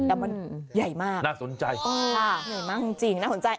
แต่มันใหญ่มากน่าสนใจค่ะใหญ่มากจริงน่าสนใจ